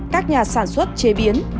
các nhà sản xuất chế biến